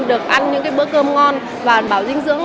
được ăn những bữa cơm ngon và bảo dinh dưỡng